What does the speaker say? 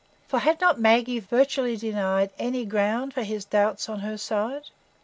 For had not Maggie virtually denied any ground for his doubts on her side?